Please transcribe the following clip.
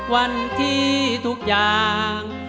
วันที่ทุกอย่าง